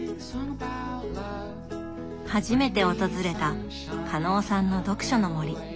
初めて訪れた加納さんの読書の森。